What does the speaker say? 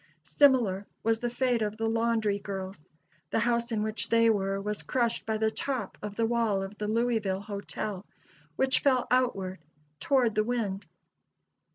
Similar was the fate of the laundry girls. The house in which they were was crushed by the top of the wall of the Louisville Hotel, which fell outward, toward the wind.